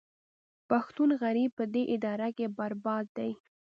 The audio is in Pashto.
پښتون غریب په دې اداره کې برباد دی